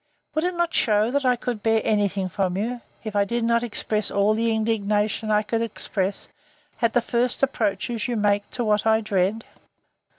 Would it not shew, that I could bear any thing from you, if I did not express all the indignation I could express, at the first approaches you make to what I dread?